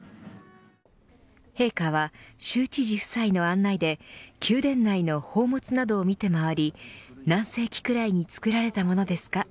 陛下は州知事夫妻の案内で宮殿内の宝物などを見て回り何世紀くらいに作られたものですか。